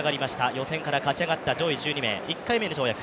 予選から勝ち上がった上位１２名、１回目の跳躍